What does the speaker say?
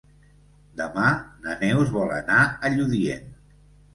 Demà na Neus vol anar a Lludient.